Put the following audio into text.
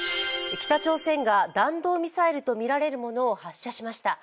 北朝鮮が弾道ミサイルとみられるものを発射しました。